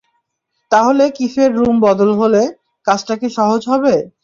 তাহলে কিফের রুম বদল হলে, কাজটা কি সহজ হবে?